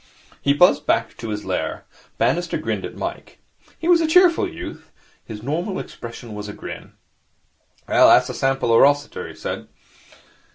He buzzed back to his lair. Bannister grinned at Mike. He was a cheerful youth. His normal expression was a grin. 'That's a sample of Rossiter,' he said.